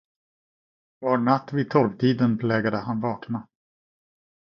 Var natt vid tolvtiden plägade han vakna.